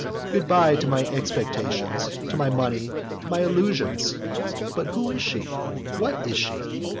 Goodbye to my expectations, to my money, and my illusions! But who is she what is she?